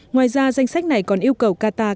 ngoài ra danh sách này còn yêu cầu qatar